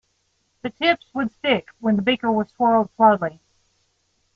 The tips would stick when the beaker was swirled slowly.